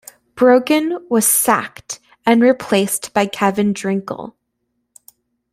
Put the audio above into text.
Brogan was sacked and replaced by Kevin Drinkell.